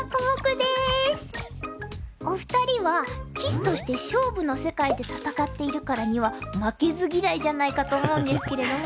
お二人は棋士として勝負の世界で戦っているからには負けず嫌いじゃないかと思うんですけれども。